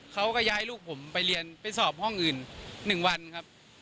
เขาก็ย้ายลูกผมไปเรียนไปสอบห้องอื่น๑วันครับ